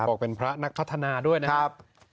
บอกเป็นพระนักพัฒนาด้วยนะครับ